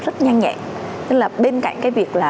rất nhanh nhẹ nên là bên cạnh cái việc